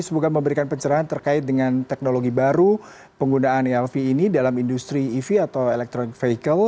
semoga memberikan pencerahan terkait dengan teknologi baru penggunaan elv ini dalam industri ev atau electronic vehicle